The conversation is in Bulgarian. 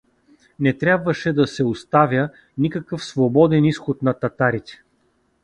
Не трябваше да се оставя никакъв свободен изход на татарите.